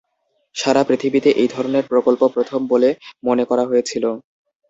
সারা পৃথিবীতে এই ধরনের প্রকল্প প্রথম বলে মনে করা হয়েছিল।